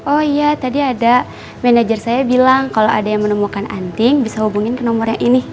oh iya tadi ada manajer saya bilang kalau ada yang menemukan anting bisa hubungin ke nomor yang ini